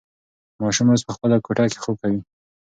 ماشوم اوس په خپله کوټه کې خوب کوي.